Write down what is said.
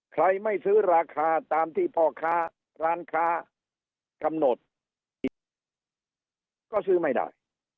ใครไม่ซื้อราคาตามที่พ่อค้าร้านค้ากำหนดอีกก็ซื้อไม่ได้